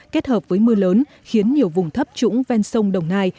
kết hợp với mưa lớn khiến nhiều vùng thấp trũng ven sông đồng nai